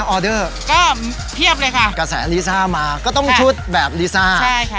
ออเดอร์ก็เพียบเลยค่ะกระแสลิซ่ามาก็ต้องชุดแบบลิซ่าใช่ค่ะ